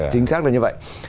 chính xác là như vậy